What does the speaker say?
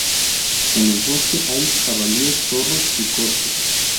En el bosque hay jabalíes, zorros y corzos.